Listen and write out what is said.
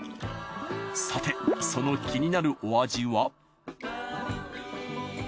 さてその気になるお味は？